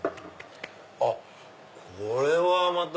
あっこれはまた。